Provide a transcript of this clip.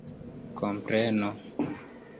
kompreno